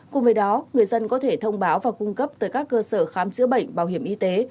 cùng với đó người dân có thể thông báo và cung cấp tới các cơ sở khám chữa bệnh bảo hiểm y tế